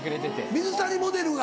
水谷モデルが。